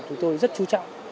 chúng tôi rất chú trọng